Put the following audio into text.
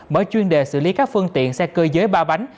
mở chuyên đề xử lý các phương tiện xe cơ giới ba bánh